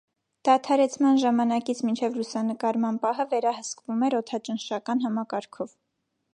Դադարեցման ժամանակից մինչև լուսանկարման պահը վերահսկվում էր օդաճնշական համակարգով։